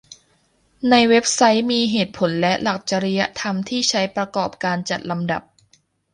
ในเว็บไซต์มีเหตุผลและหลักจริยธรรมที่ใช้ประกอบการจัดลำดับ